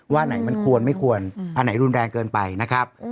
ว่าไหนมันควรไม่ควรอันไหนรุนแรงเกินไปนะครับ